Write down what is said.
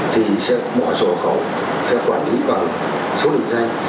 thì sẽ bỏ sổ khẩu sẽ quản lý bằng số định danh